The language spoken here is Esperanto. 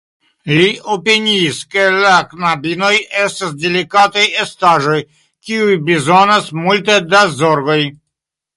Li opiniis, ke la knabinoj estas delikataj estaĵoj, kiuj bezonas multe da zorgoj.